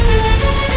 tuhan yang men sava